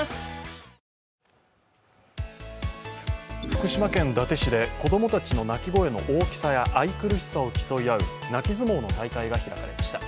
福島県伊達市で子供たちの泣き声の大きさや愛くるしさを競い合う泣き相撲の大会が開かれました。